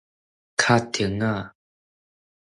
較停仔